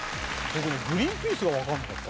グリーンピースがわからなかった。